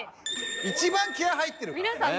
一番気合い入ってるからね！